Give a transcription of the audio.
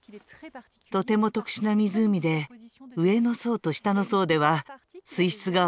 とても特殊な湖で上の層と下の層では水質が大きく異なります。